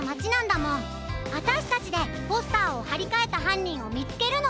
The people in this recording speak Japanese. あたしたちでポスターをはりかえたはんにんをみつけるの。